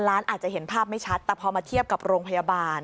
ร้านอาจจะเห็นภาพไม่ชัดแต่พอมาเทียบกับโรงพยาบาล